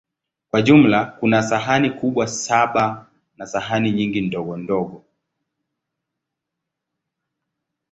Kwa jumla, kuna sahani kubwa saba na sahani nyingi ndogondogo.